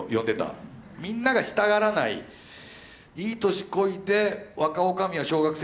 みんながしたがらないいい年こいて「若おかみは小学生！」